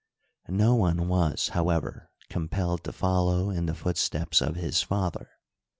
No one was, however^ compelled to follow in the footsteps of his father.